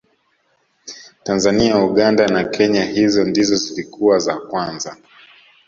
tanzania uganda na kenya hizo ndizo zilikuwa za kwanza